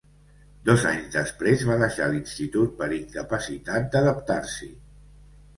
Dos anys després va deixar l'institut per incapacitat d'adaptar-s'hi.